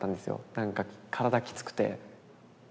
なんか体きつくて。